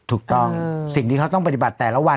ถูกต้องสิ่งที่เขาต้องปฏิบัติแต่ละวัน